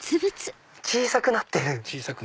小さくなってる！